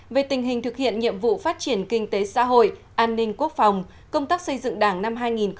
về tình hình thực hiện nhiệm vụ phát triển kinh tế xã hội an ninh quốc phòng công tác xây dựng đảng năm hai nghìn một mươi chín